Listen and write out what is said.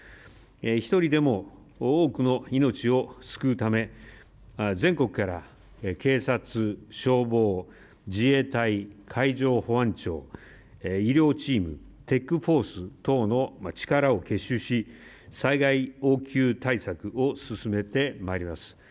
１人でも多くの命を救うため全国から警察、消防、自衛隊、海上保安庁、医療チーム、ＴＥＣーＦＯＲＣＥ等の力を結集し、災害応急対策を進めてまいります。